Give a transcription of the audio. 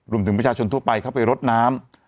รวมถึงประชาชนทั่วไปเข้าไปรดน้ำ